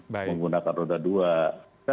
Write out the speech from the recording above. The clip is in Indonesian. menggunakan roda dua